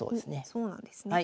そうなんですね。